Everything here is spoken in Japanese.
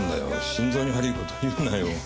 心臓に悪い事言うなよ。